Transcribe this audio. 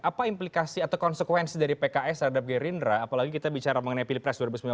apa implikasi atau konsekuensi dari pks terhadap gerindra apalagi kita bicara mengenai pilpres dua ribu sembilan belas